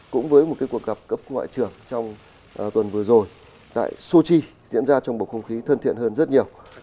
cũng với một cuộc gặp cấp ngoại trưởng trong tuần vừa rồi tại sochi diễn ra trong bầu không khí thân thiện hơn rất nhiều